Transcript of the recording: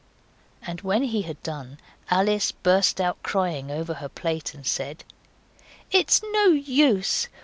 And when he had done Alice burst out crying over her plate and said 'It's no use!